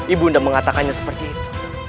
ibu tak mengatakannya seperti itu